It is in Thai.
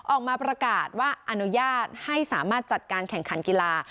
ออกมาประกาศว่าอนุญาตให้สามารถจัดการแข่งขันกีฬา